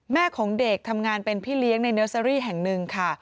แม่ของเด็กทำงานเป็นพี่เลี้ยงในเนอร์เซอรี่แห่งหนึ่งค่ะ